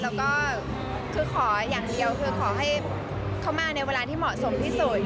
แล้วก็คือขออย่างเดียวคือขอให้เข้ามาในเวลาที่เหมาะสมที่สุด